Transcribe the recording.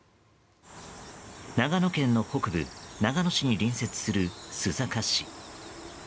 長野県の北部長野市に隣接する須坂市。